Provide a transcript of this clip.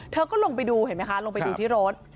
เธอก็ลงไปดูเห็นไหมคะลงไปดูที่รถ